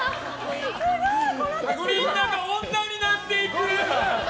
みんなが女になっていく！